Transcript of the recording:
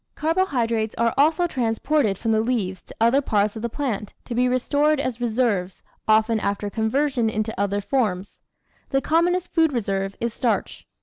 Carbohydrates are also transported from the leaves to other parts of the plant to be re stored as reserves, often after conversion into other forms. The commonest food reserve is starch.